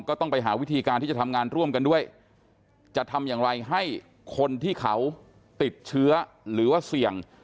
ก็ต้องไปหาวิธีการที่จะทำงานร่วมกันด้วยจะทำอย่างไรให้คนที่เขาติดเชื้อหรือว่าเสี่ยง